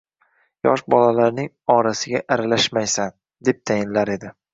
Yosh bolalarning orasiga aralashmaysan, deb tayinlar edi